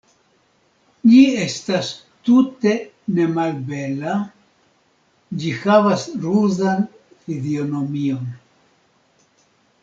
Ĝi estas tute nemalbela, ĝi havas ruzan fizionomion.